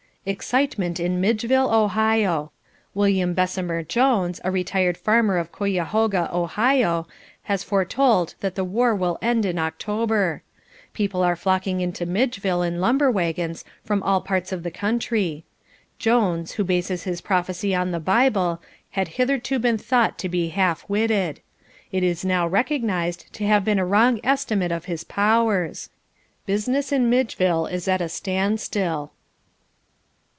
Excitement in Midgeville, Ohio. William Bessemer Jones, a retired farmer of Cuyahoga, Ohio, has foretold that the war will end in October. People are flocking into Midgeville in lumber wagons from all parts of the country. Jones, who bases his prophecy on the Bible, had hitherto been thought to be half witted. This is now recognised to have been a wrong estimate of his powers. Business in Midgeville is at a standstill.